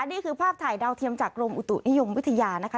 นี่คือภาพถ่ายดาวเทียมจากกรมอุตุนิยมวิทยานะคะ